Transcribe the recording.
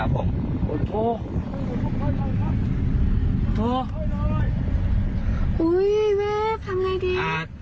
เว็บทำไมดี